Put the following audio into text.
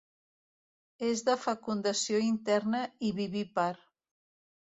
És de fecundació interna i vivípar.